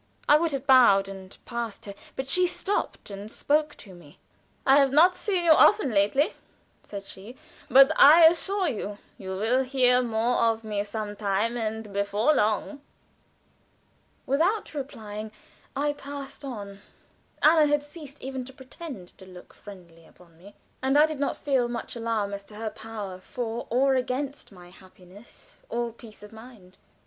I would have bowed and passed her, but she stopped and spoke to me. "I have not seen you often lately," said she; "but I assure you, you will hear more of me some time and before long." Without replying, I passed on. Anna had ceased even to pretend to look friendly upon me, and I did not feel much alarm as to her power for or against my happiness or peace of mind.